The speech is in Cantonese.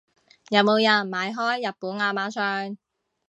有冇人買開日本亞馬遜？